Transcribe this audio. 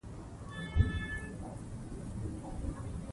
د هغې پر قبر اختلاف تر نورو زیات دی.